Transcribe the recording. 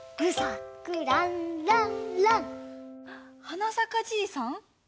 はな咲かじいさん？